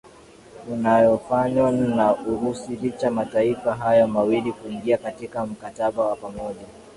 unaofanywa na urusi licha mataifa hayo mawili kuingia katika mkataba wa pamoja